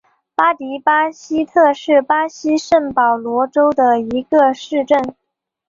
巴迪巴西特是巴西圣保罗州的一个市镇。